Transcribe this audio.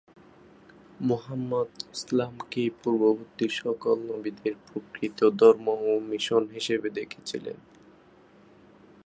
মুহাম্মদ ইসলামকে পূর্ববর্তী সকল নবীদের প্রকৃত ধর্ম ও মিশন হিসেবে দেখেছিলেন।